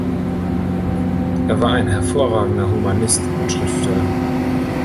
Er war ein hervorragender Humanist und Schriftsteller.